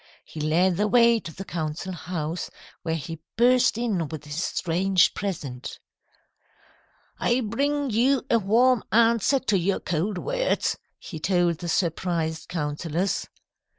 He led the way to the council house, where he burst in with his strange present. "'I bring you a warm answer to your cold words,' he told the surprised councillors.